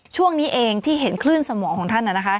ช่วงนี้เองที่เห็นคลื่นสมองของท่าน